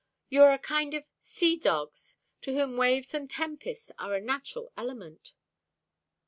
You are a kind of sea dogs, to whom waves and tempest are a natural element."